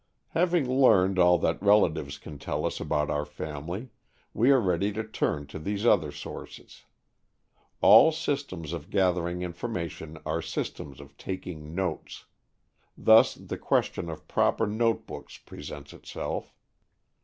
Having learned all that relatives can tell us about our family, we are ready to turn to these other sources. All systems of gathering information are systems of taking notes. Thus the question of proper notebooks presents itself.